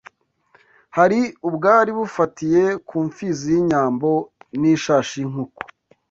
Hari ubwari bufatiye ku mfizi y’inyambo n’ishashi y’inkuku